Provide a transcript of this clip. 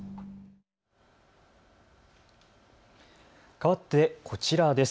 かわってこちらです。